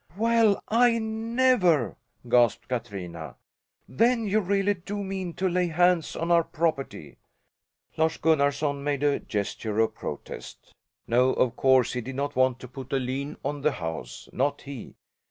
"Well, I never!" gasped Katrina. "Then you really do mean to lay hands on our property?" Lars Gunnarson made a gesture of protest. No, of course he did not want to put a lien on the house, not he!